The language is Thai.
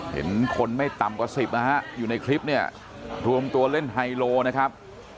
เห็นคนไม่ต่ำกว่าสิบนะฮะอยู่ในคลิปเนี่ยรวมตัวเล่นไฮโลนะครับ